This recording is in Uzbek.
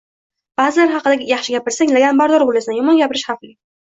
Ba`zilar haqida yaxshi gapirsang, laganbardor bo`lasan, yomon gapirish xavfli